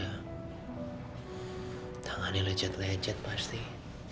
pasti dia nggak pernah kerja gue paksa kerja